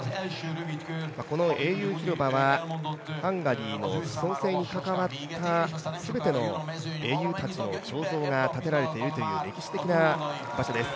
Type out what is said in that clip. この英雄広場は、ハンガリーの創生に関わった全ての英雄たちの彫像が建てられている歴史的なものです。